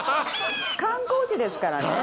観光地ですからね。